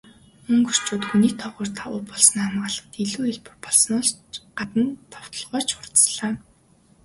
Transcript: Унгарчууд хүний тоогоор давуу болсноороо хамгаалахад илүү хялбар болсноос гадна довтолгоо ч хурдаслаа.